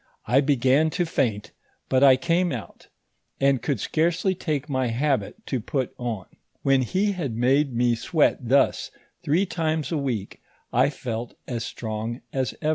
I began to faint, but I came out, and could scarcely take my habit to put on. When he had made me sweat thus three times a week, I felt as strong as ever.